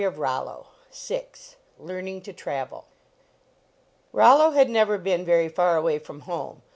75 ROLLO LEARNING TO TRAVEL VI OLLO had never been very far away from home.